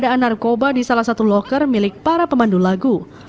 pengadaan narkoba di salah satu loker milik para pemandu lagu